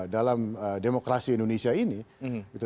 dalam demokrasi indonesia ini